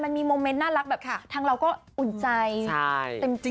มันมีโมเมนต์น่ารักแบบทั้งเราก็อุ่นใจเต็มใจ